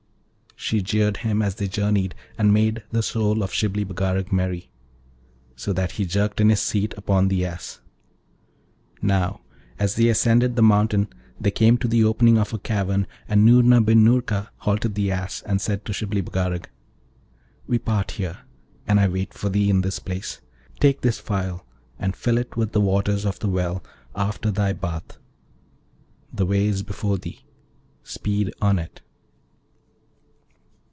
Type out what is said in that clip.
She jeered him as they journeyed, and made the soul of Shibli Bagarag merry, so that he jerked in his seat upon the Ass. Now, as they ascended the mountain they came to the opening of a cavern, and Noorna bin Noorka halted the Ass, and said to Shibli Bagarag, 'We part here, and I wait for thee in this place. Take this phial, and fill it with the waters of the well, after thy bath. The way is before thee speed on it.'